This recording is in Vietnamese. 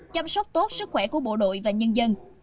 chăm sóc tốt sức khỏe của bộ đội và nhân dân